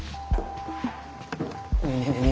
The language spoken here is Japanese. ねえねえねえね